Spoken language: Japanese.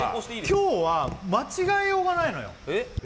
今日は間違えようがないのよ・えっ？